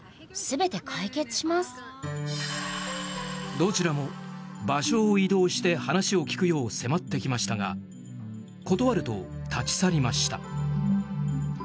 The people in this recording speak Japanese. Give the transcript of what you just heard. どちらも、場所を移動して話を聞くよう迫ってきましたが断ると立ち去りました。